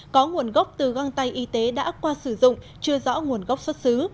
có nguồn gốc từ găng tay y tế đã qua sử dụng chưa rõ nguồn gốc xuất xứ